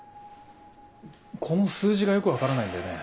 この数字がよく分からないんだよね。